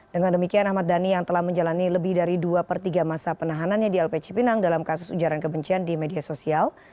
dengan demikian ahmad dhani yang telah menjalani lebih dari dua per tiga masa penahanannya di lp cipinang dalam kasus ujaran kebencian di media sosial